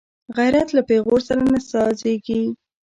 غیرت له پېغور سره نه سازېږي